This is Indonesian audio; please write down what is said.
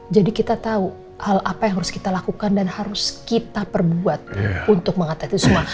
jadi kita tahu hal apa yang harus kita lakukan dan harus kita perbuat untuk mengatasi semua